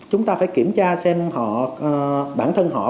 chúng ta phải kiểm tra xem bản thân họ